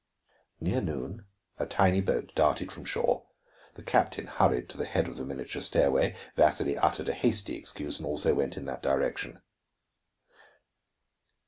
Near noon a tiny boat darted from shore. The captain hurried to the head of the miniature stairway; Vasili uttered a hasty excuse and also went in that direction.